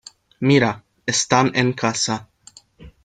¡ Mira! Están en casa.